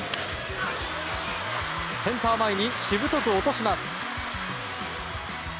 センター前にしぶとく落とします。